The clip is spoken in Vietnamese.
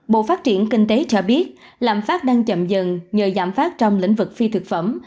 bộ phát triển kinh tế cho biết lãm phát đang chậm dần nhờ giảm phát trong lĩnh vực phi thực phẩm